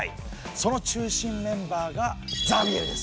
その中心メンバーがザビエルです。